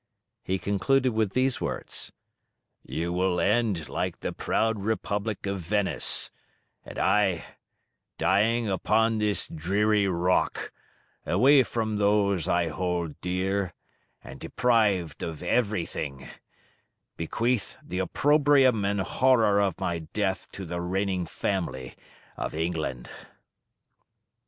He concluded with these words: "You will end like the proud republic of Venice; and I, dying upon this dreary rock, away from those I hold dear, and deprived of everything, bequeath the opprobrium and horror of my death to the reigning family of England."